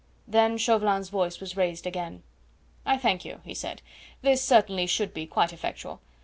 Then Chauvelin's voice was raised again. "I thank you," he said; "this certainly should be quite effectual.